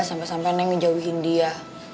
sampai sampai neng ngejauhin dia